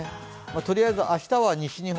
とりあえず明日は西日本